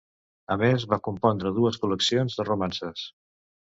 A més, va compondre dues col·leccions de romances.